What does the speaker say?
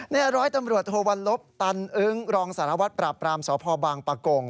นี่ร้อยตำรวจโทวัลลบตันอึ้งรองสารวัตรปราบรามสพบางปะกง